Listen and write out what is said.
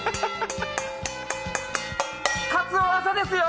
カツオ、朝ですよ！